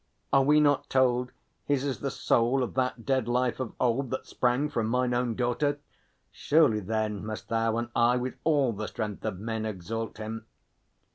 Are we not told His is the soul of that dead life of old That sprang from mine own daughter? Surely then Must thou and I with all the strength of men Exalt him.